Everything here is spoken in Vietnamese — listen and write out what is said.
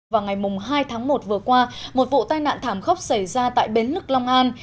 vào ngày hai tháng một vừa qua một vụ tai nạn thảm khốc xảy ra tại bến lức long an